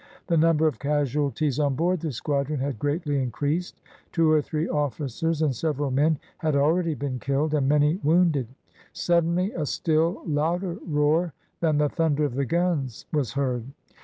The number of casualties on board the squadron had greatly increased; two or three officers and several men had already been killed, and many wounded. Suddenly a still louder roar than the thunder of the guns was heard.